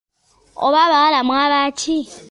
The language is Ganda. Oba abawala mwaba ki!